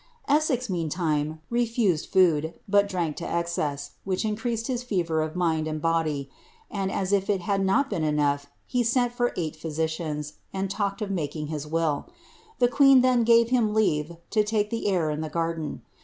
Essex, meantime, refused food, but ilranli to excess, which iocmM^ his fever of mind and bn<]y, and as if tliat had not been enough, he mdI for eight physicians, and talked of making his will. The queen iIke gave him leave to lake the air in the garden.